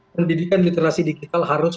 pendidikan literasi digital harus